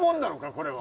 これは。